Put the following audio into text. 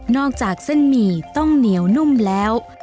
อกจากเส้นหมี่ต้องเหนียวนุ่มแล้ว